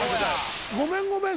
ごめんごめん